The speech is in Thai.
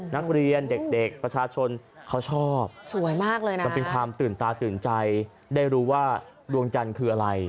นักเรียนเด็กประชาชนเขาชอบสวยมากเลยนะมันเป็นความตื่นตาตื่นใจได้รู้ว่าดวงจันทร์คืออะไร